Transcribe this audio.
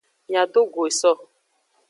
Miadogo eso.